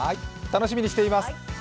楽しみにしています。